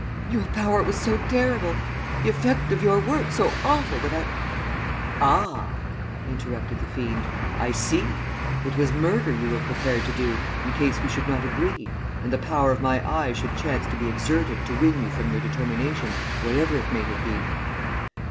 'Your power was so terrible; the effect of your words so awful, that I ' "'Ah!' interrupted the fiend. 'I see. It was murder you were prepared to do in case we should not agree, and the power of my eye should chance to be exerted to win you from your determination whatever it may have been.'